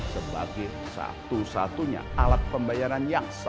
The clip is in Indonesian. sebagai satu satunya alat pembayaran